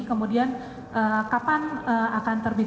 kemudian kapan akan terbit